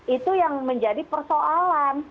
itu yang menjadi persoalan